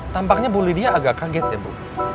tampaknya bu lydia agak kaget ya bu